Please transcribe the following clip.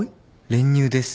練乳です。